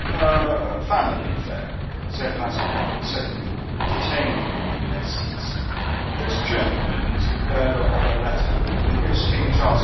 "A family affair," said Mazarin, suddenly, detaining them in their seats. "This gentleman is the bearer of a letter in which King Charles II.